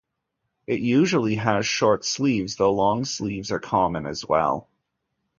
It usually has short sleeves, though long sleeves are common as well.